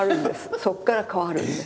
そっから変わるんです。